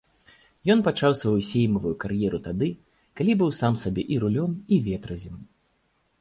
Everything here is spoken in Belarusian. Ён пачаў сваю сеймавую кар'еру тады, калі быў сам сабе і рулём, і ветразем.